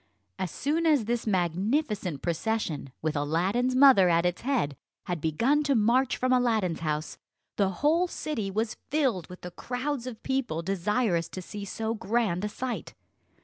As soon as this magnificent procession, with Aladdin's mother at its head, had begun to march from Aladdin's house, the whole city was filled with the crowds of people desirous to see so grand a sight.